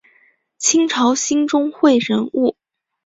清朝兴中会人物。